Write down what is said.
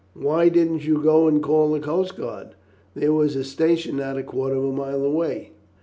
"Why didn't you go and call the coast guard? There was a station not a quarter of a mile away."